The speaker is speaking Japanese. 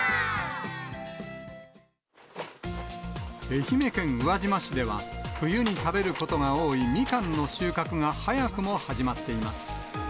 愛媛県宇和島市では、冬に食べることが多いみかんの収穫が早くも始まっています。